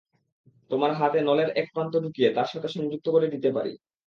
তোমার হাতে নলের এক প্রান্ত ঢুকিয়ে তার সাথে সংযুক্ত করে দিতে পারি।